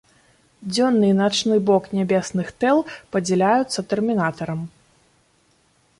Дзённы і начны бок нябесных тэл падзяляюцца тэрмінатарам.